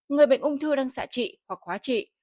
người bệnh ung thư đang xạ trị hoặc hóa trị